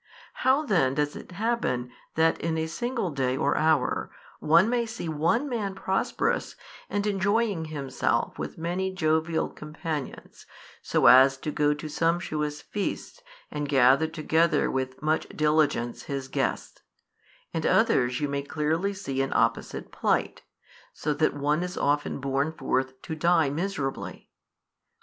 How then does it happen that in a single day or hour, one may see one man prosperous and enjoying himself with many jovial companions, so as to go to sumptuous feasts and gather together with much diligence his guests, and others you may |529 clearly see in opposite plight, so that one is often borne forth to die miserably.